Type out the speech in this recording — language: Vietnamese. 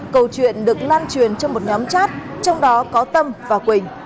câu chuyện được lan truyền trong một nhóm chat trong đó có tâm và quỳnh